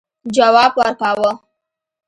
جواب ورکاوه.